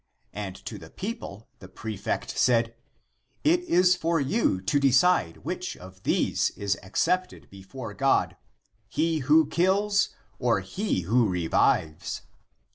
And to the people the prefect said, " It is for you to decide which of these is accepted before God, he who kills, or he who revives."